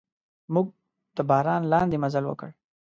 موږ د باران لاندې مزل وکړ.